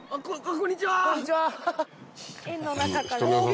こんにちは。